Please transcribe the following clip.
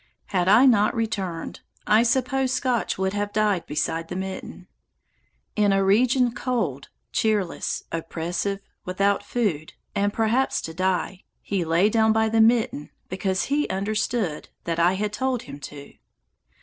Had I not returned, I suppose Scotch would have died beside the mitten. In a region cold, cheerless, oppressive, without food, and perhaps to die, he lay down by the mitten because he understood that I had told him to.